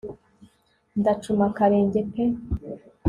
ndacuma akarenge pe